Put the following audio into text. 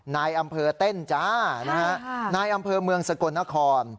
นายอำเภอเต้นจ้านะฮะนายอำเภอเมืองสกลนคร